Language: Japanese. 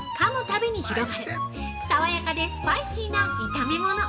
たびに広がる、爽やかでスパイシーな炒め物！